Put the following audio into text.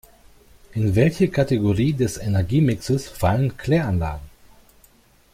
In welche Kategorie des Energiemixes fallen Kläranlagen?